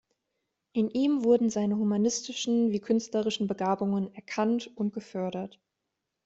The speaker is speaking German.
In ihm wurden seine humanistischen wie künstlerischen Begabungen erkannt und gefördert.